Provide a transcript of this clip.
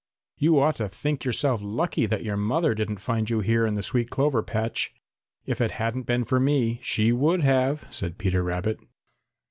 "You ought to think yourself lucky that your mother didn't find you here in the sweet clover patch. If it hadn't been for me she would have," said Peter Rabbit.